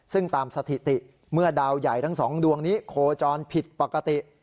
ซึ่งตามสถิติเมื่อดาวใหญ่ทั้งสองดวงนี้โคจรผิดปกติ